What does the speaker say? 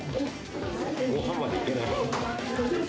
ごはんまでいけない。